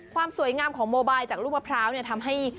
ความสวยงามของโมบายจากลูกมะพร้าวทำให้